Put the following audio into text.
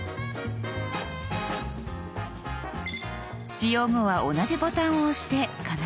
使用後は同じボタンを押して必ず消しましょう。